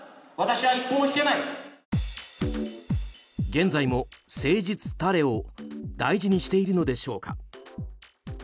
現在も誠実たれを大事にしているのでしょうか。